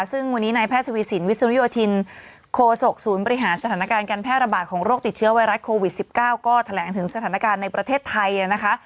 ซึ่งวันนี้นายแพทย์ทวีสินวิสุริโยธินโคศกศูนย์บริหารสถานการณ์การแพร่ระบาดของโรคติดเชื้อไวรัสโควิด๑๙ก็แถลงถึงสถานการณ์ในประเทศไทยนะคะ